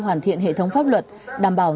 hoàn thiện hệ thống pháp luật đảm bảo